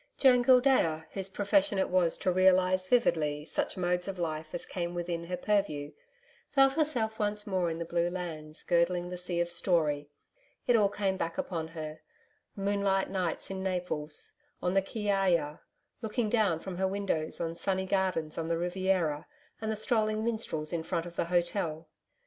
Joan Gildea, whose profession it was to realise vividly such modes of life as came within her purview, felt herself once more in the blue lands girdling the Sea of Story It all came back upon her moonlight nights in Naples; on the Chiaja; looking down from her windows on sunny gardens on the Riviera, and the strolling minstrels in front of the hotel....